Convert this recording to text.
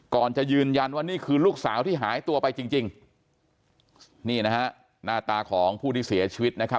ก่อนจะยืนยันว่านี่คือลูกสาวที่หายตัวไปจริงจริงนี่นะฮะหน้าตาของผู้ที่เสียชีวิตนะครับ